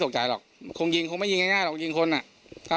ตกใจหรอกคงยิงคงไม่ยิงง่ายง่ายหรอกยิงคนน่ะถ้า